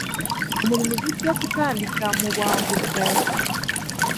Omulimu gujja kutandika mu bwangu ddaala.